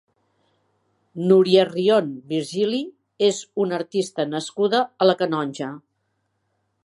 Núria Rion Virgili és una artista nascuda a la Canonja.